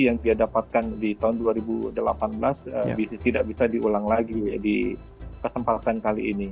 yang dia dapatkan di tahun dua ribu delapan belas tidak bisa diulang lagi di kesempatan kali ini